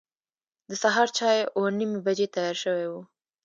د سهار چای اوه نیمې بجې تیار شوی و.